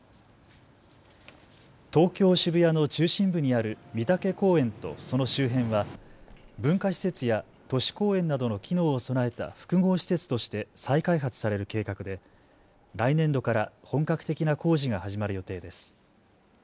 東京渋谷の中心部にある美竹公園とその周辺は文化施設や都市公園などの機能を備えた複合施設として再開発される計画で来年度から本格的な工事が始まる予定です。